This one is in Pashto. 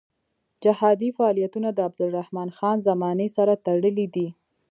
جهادي فعالیتونه د عبدالرحمن خان زمانې سره تړلي دي.